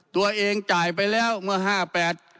ตัวเองจ่ายไปแล้วเมื่อ๕๘